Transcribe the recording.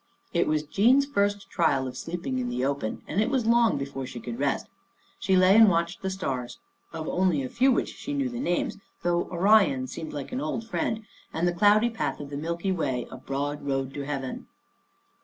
It was Jean's first trial of sleeping in the open, and it was long before she could rest. She lay and watched the stars, of only a few of which she knew the names, though Orion seemed like an old friend and the cloudy path of the Milky Way a broad road to Heaven.